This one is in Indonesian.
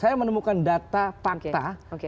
saya menemukan data fakta